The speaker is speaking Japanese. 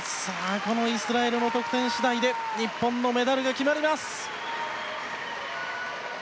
このイスラエルの得点次第で日本のメダルが決まります。